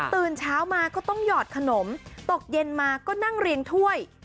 ตื่นเช้ามาก็ต้องหยอดขนมตกเย็นมาก็นั่งเรียงถ้วย